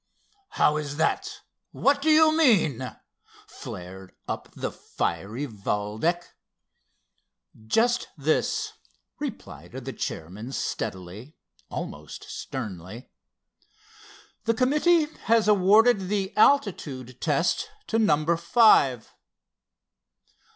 "How is that? What do you mean?" flared up the fiery Valdec. "Just this," replied the chairman steadily, almost sternly. "The committee has awarded the altitude test to number five."